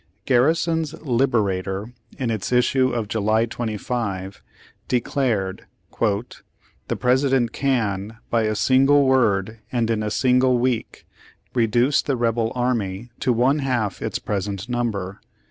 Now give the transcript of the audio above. Garrison's Liberator, in its issue of July 25, declared: 'The President can, by a single word, and in a single week, reduce the rebel army to one half its present number."